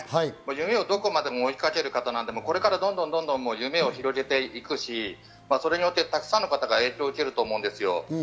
夢をどこまでも追いかける方なので、これからどんどんと夢を広げていくし、それによってたくさんの方が影響を受けると思うんですよ。